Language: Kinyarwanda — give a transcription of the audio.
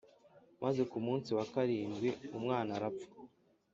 Maze ku munsi wa karindwi umwana arapfa.